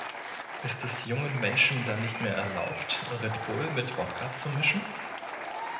Ist es jungen Menschen dann nicht mehr erlaubt, Red Bull mit Wodka zu mischen?